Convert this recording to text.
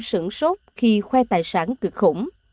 sửng sốt khi khoe tài sản cực khủng